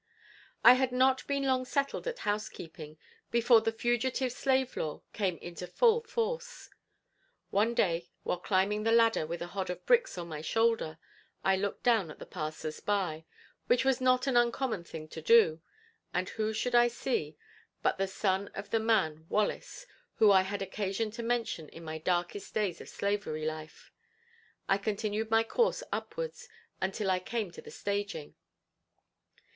I had not been long settled at housekeeping before the Fugitive Slave Law came into full force. One day while climbing the ladder with a hod of bricks on my shoulder, I looked down at the passers by, which was not an uncommon thing to do, and who should I see but the son of the man Wallace, who I had occasion to mention in my darkest days of slavery life. I continued my course upwards until I came to the staging.